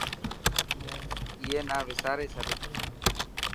ائي نا وساري ڇڏ.